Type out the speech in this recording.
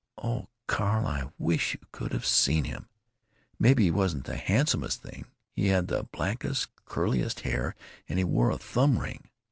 Oh, Carl, I wish you could have seen him! Maybe he wasn't the handsomest thing! He had the blackest, curliest hair, and he wore a thumb ring."